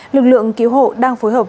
lực lượng cứu hộ đang phối hợp